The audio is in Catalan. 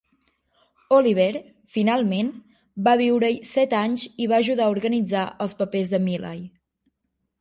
Oliver, finalment, va viure-hi set anys i va ajudar a organitzar els papers de Millay.